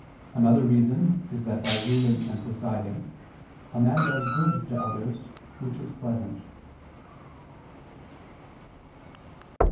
Another reason is that by ruling and presiding, a man does good to others, which is pleasant.